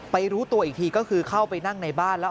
รู้ตัวอีกทีก็คือเข้าไปนั่งในบ้านแล้ว